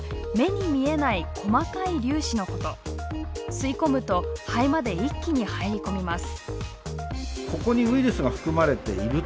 吸い込むと肺まで一気に入り込みます。